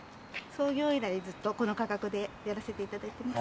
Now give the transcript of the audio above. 創業以来ずっとこの価格でやらせて頂いてます。